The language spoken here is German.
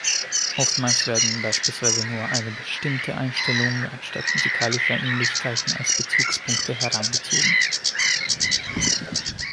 Oftmals werden beispielsweise nur eine bestimmte Einstellung anstatt musikalischer Ähnlichkeiten als Bezugspunkte herangezogen.